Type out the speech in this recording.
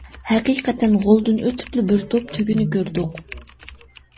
ھەقىقەتەن غولدىن ئۆتۈپلا بىر توپ تۆگىنى كۆردۇق.